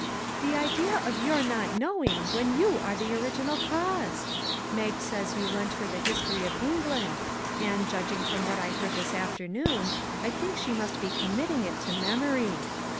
" The idea of your not knowing, when you are the original cause ! Mag says you lent her the History of England, and, judging from what I heard this afternoon, I think she must be committing it to memory.